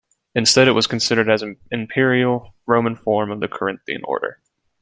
Instead it was considered as an imperial Roman form of the Corinthian order.